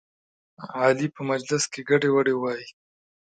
علي په مجلس کې ګډې وډې وایي.